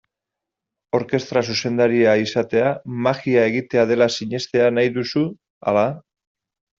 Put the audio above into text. Orkestra zuzendaria izatea magia egitea dela sinestea nahi duzu, ala?